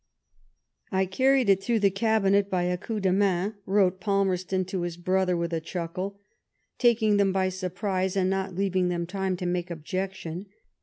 I carried it through the Cabinet by a coup de main [wrote Palmer ston to his brother, with a chuckle] taking them by surprise .and not leaving them time to make objection.